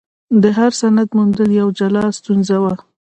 د هر سند موندل یوه جلا ستونزه وه.